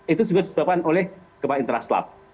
itu juga disebabkan oleh gempa interaslap